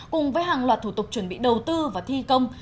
cùng với hàng loạt thủ tục chuẩn bị đầu tư và thi công